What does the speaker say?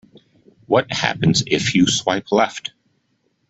What happens if you swipe left?